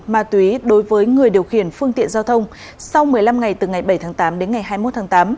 ma túy đối với người điều khiển phương tiện giao thông sau một mươi năm ngày từ ngày bảy tháng tám đến ngày hai mươi một tháng tám